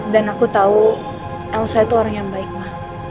dan aku tahu elsa itu orang yang baik ma